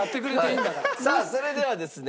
さあそれではですね